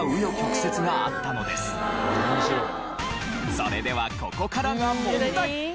それではここからが問題。